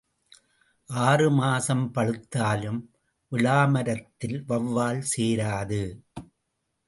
ஆறு மாசம் பழுத்தாலும் விளா மரத்தில் வௌவால் சேராது.